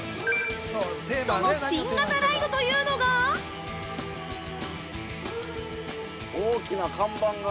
その新型ライドというのが◆大きな看板が。